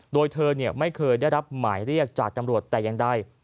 โดยเธอไม่เคยได้รับหมายเรียกจากตำรวจแต่อย่างใด